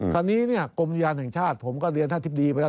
ทันนี้เนี่ยคลบนุญาณแห่งชาติผมก็เรียนท่านทิศดีเลย